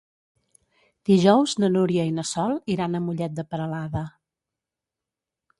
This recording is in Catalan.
Dijous na Núria i na Sol iran a Mollet de Peralada.